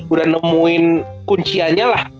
udah nemuin kunciannya lah